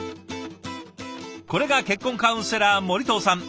これが結婚カウンセラー森藤さん